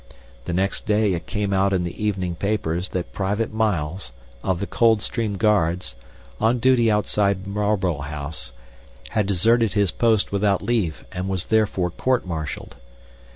The next day it came out in the evening papers that Private Miles, of the Coldstream Guards, on duty outside Marlborough House, had deserted his post without leave, and was therefore courtmartialed.